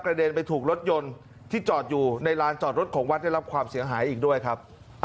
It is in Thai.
เด็นไปถูกรถยนต์ที่จอดอยู่ในลานจอดรถของวัดได้รับความเสียหายอีกด้วยครับ